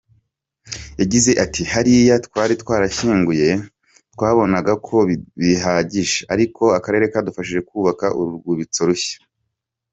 Yagize ati “Hariya twari twarabashyinguye twabonaga ko bihagije ariko Akarere kadufashije kutwubakira urwibutso rushya.